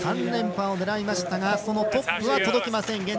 ３連覇を狙いましたがそのトップは届きません。